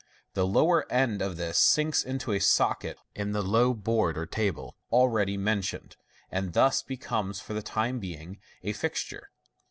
The lower end of this sinks into a socket in the low board or table already mentioned, and thus becomes, for the time being, a fix ture.